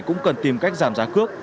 cũng cần tìm cách giảm giá cước